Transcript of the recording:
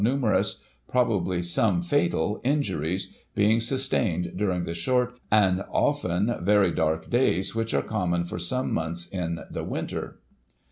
numerous, probably some fatal, injuries being sustained dur ing the short, and, often, very dark days, which are common for some months in the winter.